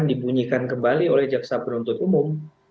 dibunyikan kembali oleh jaksa penuntut umum